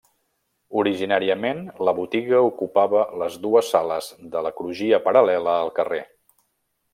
Originàriament la botiga ocupava les dues sales de la crugia paral·lela al carrer.